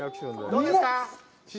どうですか？